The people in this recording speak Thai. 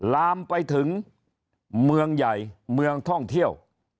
ลามไปถึงเมืองใหญ่เมืองท่องเที่ยว